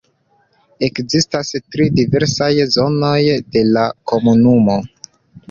Ekzistas tri diversaj zonoj de la komunumo.